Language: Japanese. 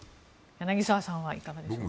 柳澤さんはいかがですか。